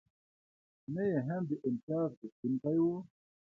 نه یې هم د امتیازغوښتونکی و.